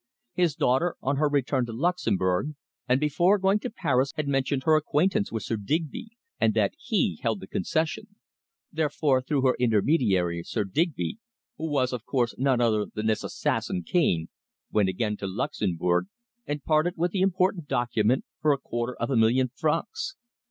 His daughter, on her return to Luxemburg, and before going to Paris, had mentioned her acquaintance with Sir Digby, and that he held the concession. Therefore, through her intermediary, Sir Digby who was, of course, none other than this assassin, Cane went again to Luxemburg and parted with the important document for a quarter of a million francs.